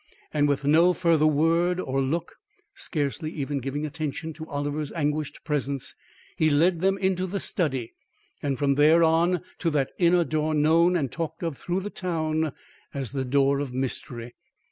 And with no further word or look, scarcely even giving attention to Oliver's anguished presence, he led them into the study and from there on to that inner door known and talked of through the town as the door of mystery.